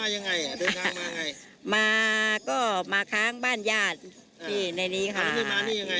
เดินทางมาไงมาก็มาค้างบ้านญาติอ่าที่ในนี้ค่ะมานี่ยังไง